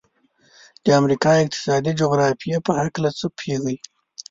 د امریکا د اقتصادي جغرافیې په هلکه څه پوهیږئ؟